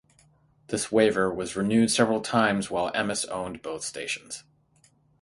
This waiver was renewed several times while Emmis owned both stations.